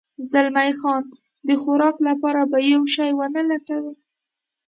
زلمی خان د خوراک لپاره به یو شی و نه لټوې؟